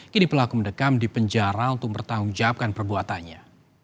kini pelaku mendekam di penjara untuk mempertanggungjawabkan perbuatannya